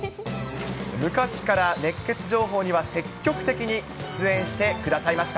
昔から熱ケツ情報には積極的に出演してくださいました。